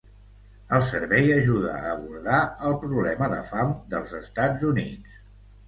El servei ajuda a abordar el problema de fam dels Estats Units.